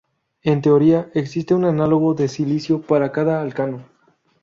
En teoría existe un análogo de silicio para cada alcano.